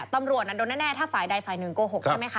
ตำรวจโดนแน่ถ้าฝ่ายใดฝ่ายหนึ่งโกหกใช่ไหมคะ